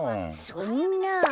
そんなあ。